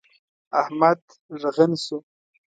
احمد ږغن شو.